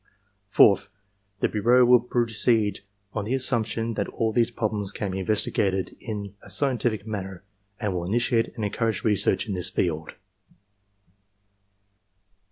Fourth, the bureau will proceed on the assumption that all of these problems can be investigated in a scientific manner and will initiate and encourage research in this field.